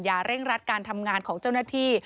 เร่งรัดการทำงานของเจ้าหน้าที่